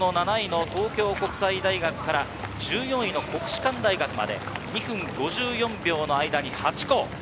７位・東京国際大学から１４位の国士舘大学まで２分５４秒の間に８校。